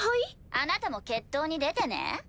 あなたも決闘に出てね。